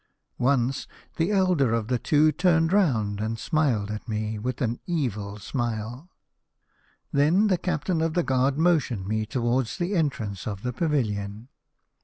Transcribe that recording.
Once the elder of the two turned round, and smiled at me with an evil smile. " Then the captain of the guard motioned me towards the entrance of the pavilion.